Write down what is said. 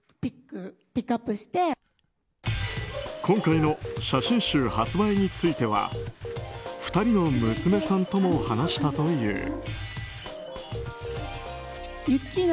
今回の写真集発売については２人の娘さんとも話したという。